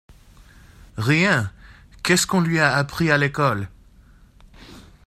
Rien ! qu’est-ce qu’on lui a appris à l’école ?